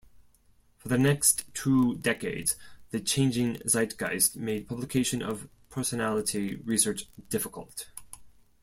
For the next two decades, the changing zeitgeist made publication of personality research difficult.